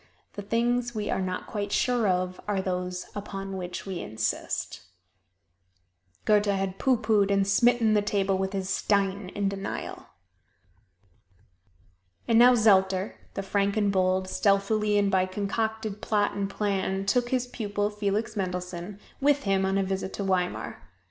The things we are not quite sure of are those upon which we insist. Goethe had pooh poohed and smitten the table with his "stein" in denial. And now Zelter, the frank and bold, stealthily and by concocted plot and plan took his pupil, Felix Mendelssohn, with him on a visit to Weimar.